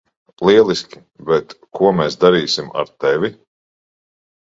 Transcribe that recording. Lieliski, bet ko mēs darīsim ar tevi?